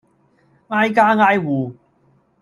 挨家挨戶